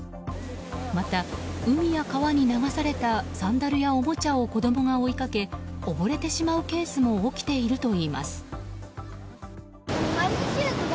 また、海や川に流されたサンダルやおもちゃを子供が追いかけ溺れてしまうケースも起きているといいます。